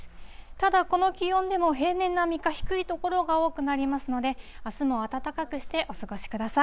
ただこの気温でも、平年並みか低い所が多くなりますので、あすも暖かくしてお過ごしください。